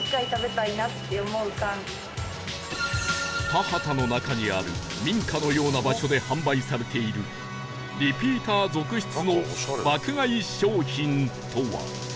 田畑の中にある民家のような場所で販売されているリピーター続出の爆買い商品とは？